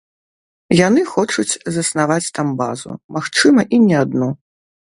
Яны хочуць заснаваць там базу, магчыма і не адну.